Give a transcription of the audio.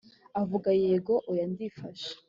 avuga yego oya ndifashe